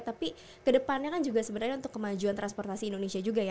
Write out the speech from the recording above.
tapi kedepannya kan juga sebenarnya untuk kemajuan transportasi indonesia juga ya